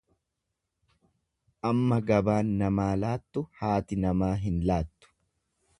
Amma gabaan namaa laattu haati namaa hin laattu.